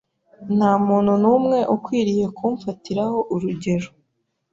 Nta muntu n’umwe ukwiriye kumfatiraho urugero